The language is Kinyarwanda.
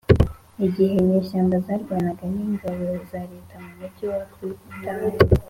igihe inyeshyamba zarwanaga n ingabo za leta mu mugi wa Freetown